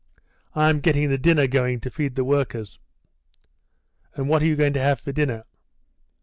"I'm getting the dinner; going to feed the workers." "And what are you going to have for dinner?"